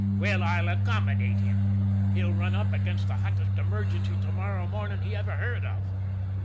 Well, I'll accommodate him! He'll run up against the hottest emergency to morrow morning he ever heard of!"